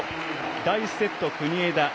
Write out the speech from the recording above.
第１セット、国枝。